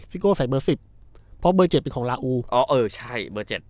ฟิโก้ใส่เบอร์สิบเพราะเบอร์เจ็ดเป็นของลาอูอ๋อเออใช่เบอร์เจ็ด